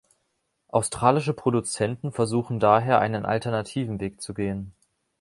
Australische Produzenten versuchen daher einen alternativen Weg zu gehen.